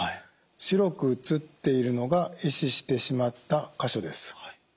白く映っているのがえ死してしまった箇所です。